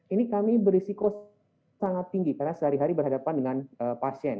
ini kami berisiko sangat tinggi karena sehari hari berhadapan dengan pasien